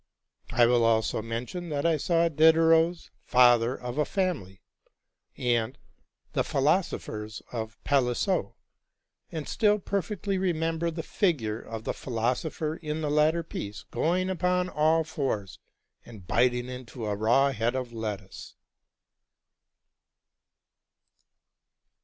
I will also mention that I saw Diderot's '' Father of a Family,'' and '' The Philosophers '' of Palissot, and still per fectly remember the figure of the philosopher in the latter piece going upon all fours, and biting into a raw head of lettuce.